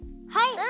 はい！